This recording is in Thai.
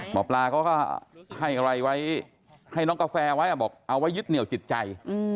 หมอปลาเขาก็ให้อะไรไว้ให้น้องกาแฟไว้บอกเอาไว้ยึดเหนียวจิตใจ